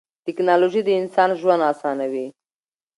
تکنالوژي د انسان ژوند اسانوي.